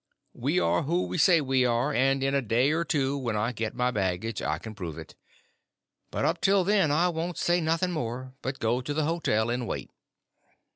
We are who we say we are; and in a day or two, when I get the baggage, I can prove it. But up till then I won't say nothing more, but go to the hotel and wait."